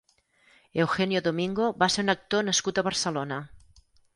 Eugenio Domingo va ser un actor nascut a Barcelona.